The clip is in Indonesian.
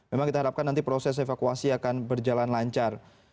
memang kita harapkan nanti proses evakuasi akan berjalan lancar